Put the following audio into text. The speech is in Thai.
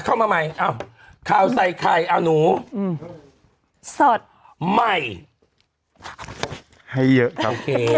เข้ามาใหม่อ้าวข่าวใส่ไข่เอาหนูสดใหม่ให้เยอะครับโอเค